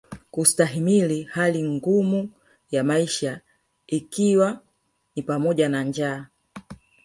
Kustahimili hali ngumu ya maisha ikiwa ni pamoja na njaa